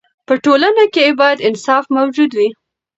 په ټولنه کې باید انصاف موجود وي.